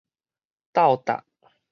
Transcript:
鬥搭